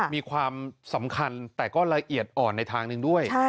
มีความสำคัญแต่ก็ละเอียดอ่อนในทางหนึ่งด้วย